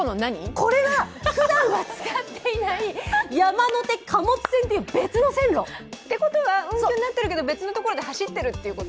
これはふだんは使っていない山手貨物船という別の線路。ということは運休になっているけど別の線路で走ってるってこと？